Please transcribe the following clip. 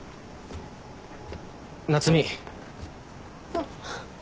あっ。